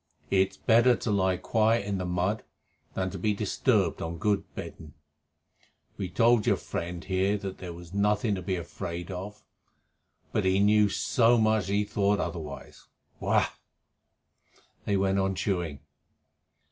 It is better to lie quiet in the mud than to be disturbed on good bedding. We told your friend here that there was nothing to be afraid of, but he knew so much that he thought otherwise. Wah!" They went on chewing.